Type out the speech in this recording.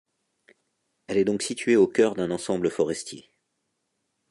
Elle est donc située au cœur d'un ensemble forestier.